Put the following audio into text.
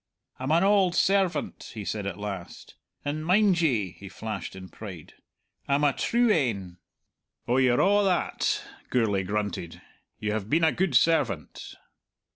"I'm an auld servant," he said at last, "and, mind ye," he flashed in pride, "I'm a true ane." "Oh, you're a' that," Gourlay grunted; "you have been a good servant."